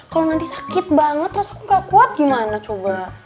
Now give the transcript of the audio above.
kalau nanti sakit banget terus aku gak kuat gimana coba